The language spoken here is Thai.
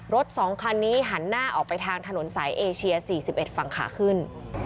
รถ๒คันนี้หันหน้าออกไปทางถนนสายเอเชีย๔๑ฝั่งขาขึ้น